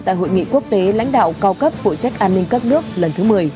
tại hội nghị quốc tế lãnh đạo cao cấp phụ trách an ninh các nước lần thứ một mươi